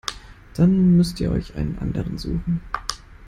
Dann müsst ihr euch einen anderen suchen.